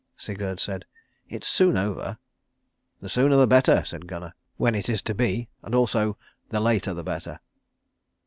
Sigurd said, "It's soon over." "The sooner the better," said Gunnar, "when it is to be and also, the later the better."